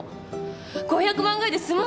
５００万ぐらいで済む